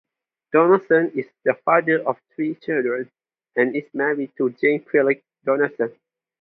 Donaldson is the father of three children and is married to Jane Phillips Donaldson.